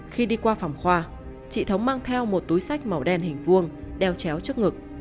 khi đi qua phòng khoa chị thống mang theo một túi sách màu đen hình vuông đeo chéo trước ngực